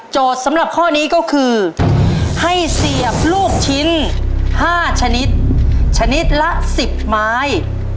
สำหรับข้อนี้ก็คือให้เสียบลูกชิ้น๕ชนิดชนิดละ๑๐ไม้